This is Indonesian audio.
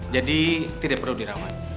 jadi tidak perlu dirawat